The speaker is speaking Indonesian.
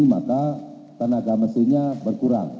maka tenaga mesinnya berkurang